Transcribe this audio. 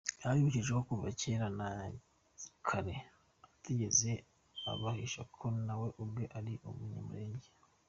Yabibukije ko kuva kera na kare atigeze abahisha ko nawe ubwe ari umunyamulenge.